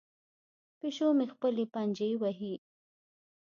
پیشو مې خپلې پنجې وهي.